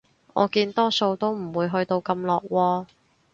我見多數都唔會去到咁落喎